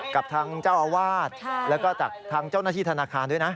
กับทางเจ้าอาวาสแล้วก็จากทางเจ้าหน้าที่ธนาคารด้วยนะ